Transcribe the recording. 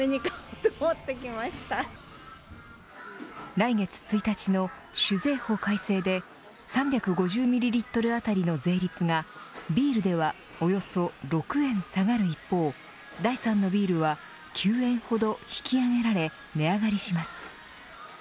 来月１日の酒税法改正で３５０ミリリットル当たりの税率がビールではおよそ６円下がる一方第３のビールは９円ほど引き上げられ値上がりします。